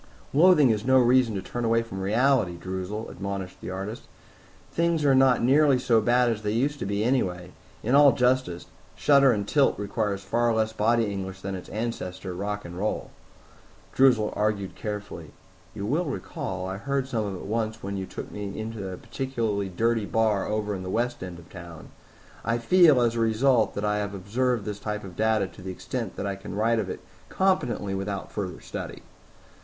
"Loathing is no reason to turn away from reality, Droozle," admonished the artist. "Things are not nearly so bad as they used to be anyway. In all justice, shudder and tilt requires far less body English than its ancestor, rock and roll." Droozle argued carefully, "You will recall I heard some of it once when you took me into a particularly dirty bar over in the west end of town. I feel, as a result, that I have observed this type of data to the extent that I can write of it competently without further study."